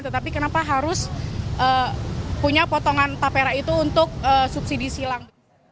tetapi kenapa harus punya potongan tapera itu untuk subsidi silang